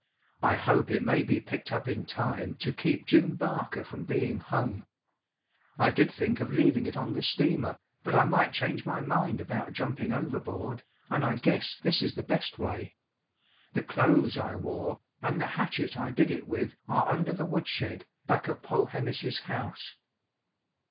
I hope it may be picked up in time to keep Jim Barker from being hung. I did think of leaving it on the steamer, but I might change my mind about jumping overboard, and I guess this is the best way. The clothes I wore and the hatchet I did it with are under the woodshed, back of Polhemus's house.